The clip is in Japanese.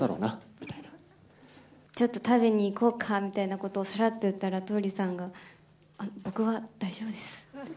ちょっと食べに行こうかみたいなことをさらっと言ったら、桃李さんが、僕は、大丈夫ですって。